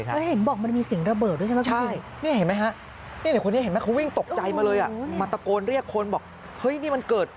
เนี่ยเห็นบอกมันมีสิ่งระเบิดด้วยใช่ปะข